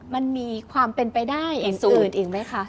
มันมีความเป็นไปได้อื่นไหมคะ